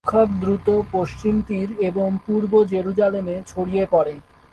বিক্ষোভ দ্রুত পশ্চিম তীর এবং পূর্ব জেরুজালেমে ছড়িয়ে পড়ে।